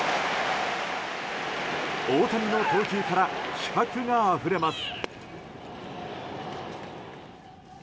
大谷の投球から気迫があふれます。